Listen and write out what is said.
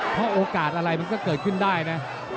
เพราะโอกาสอะไรมันก็เกิดขึ้นได้นะ